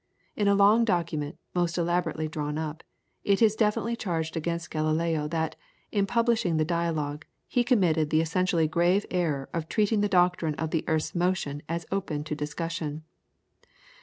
In a long document, most elaborately drawn up, it is definitely charged against Galileo that, in publishing the Dialogue, he committed the essentially grave error of treating the doctrine of the earth's motion as open to discussion.